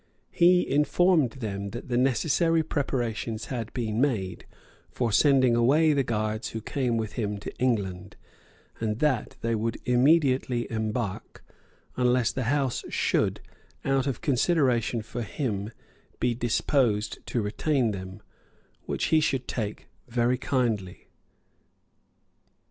He informed them that the necessary preparations had been made for sending away the guards who came with him to England, and that they would immediately embark, unless the House should, out of consideration for him, be disposed to retain them, which he should take very kindly.